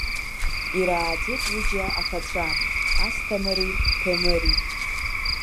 Ирааӡеит ҩыџьа аԥацәа Асҭамыри Ҭемыри.